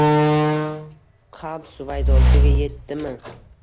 Qalb suvaydosiga yetdimmi